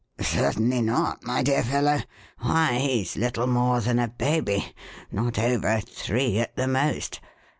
"Certainly not, my dear fellow. Why, he's little more than a baby not over three at the most.